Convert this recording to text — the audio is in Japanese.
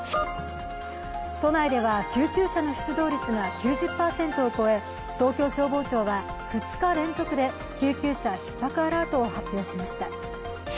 都内では救急車の出動率が９０％を超え東京消防庁は２日連続で救急車ひっ迫アラートを発表しました。